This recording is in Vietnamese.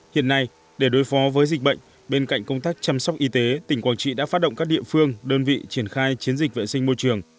hiện nay để đối phó với dịch bệnh bên cạnh công tác chăm sóc y tế tỉnh quảng trị đã phát động các địa phương đơn vị triển khai chiến dịch vệ sinh môi trường